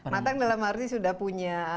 matang dalam arti sudah punya